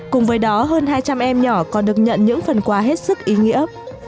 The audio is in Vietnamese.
cùng với đó hơn hai trăm linh em nhỏ còn được nhận những phần quà hết sức ý nghĩa